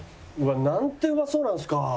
なんてうまそうなんですか！